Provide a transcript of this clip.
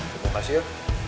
terima kasih ya